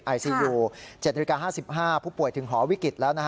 ๗นาที๕๕นาทีผู้ป่วยถึงหอวิกฤตแล้ว